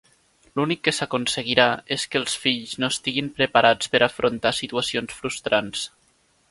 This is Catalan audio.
L'únic que s'aconseguirà és que els fills no estiguin preparats per afrontar situacions frustrants.